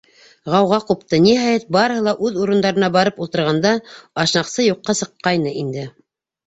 Ғауға ҡупты, ниһайәт, барыһы ла үҙ урындарына барып ултырғанда ашнаҡсы юҡҡа сыҡҡайны инде.